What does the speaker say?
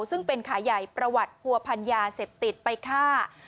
ซึ่งเป็นขายใหญ่ประวัติผัวพันยาเสพติดไปฆ่า